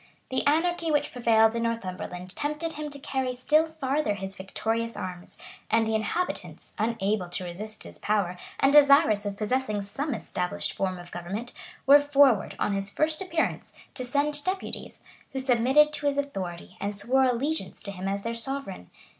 [] The anarchy which prevailed in Northumberland tempted him to carry still farther his victorious arms; and the inhabitants, unable to resist his power, and desirous of possessing some established form of government, were forward, on his first appearance, to send deputies, who submitted to his authority, and swore allegiance to him as their sovereign.